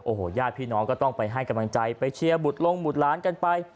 โอ้โหญาติพี่น้องก็ต้องไปให้กำลังใจไปเชียร์บุตรลงบุตรหลานกันไป